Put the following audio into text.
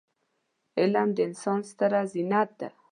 علم د انسان ستره زينت دی.